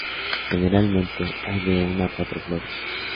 Generalmente hay de una a cuatro flores.